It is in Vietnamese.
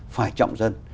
phải trọng dân